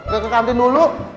gak ke kantin dulu